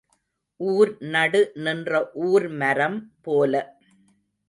ஊர் நடு நின்ற ஊர் மரம் போல.